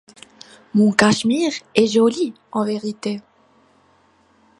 Mon cachemire est joli, en vérité !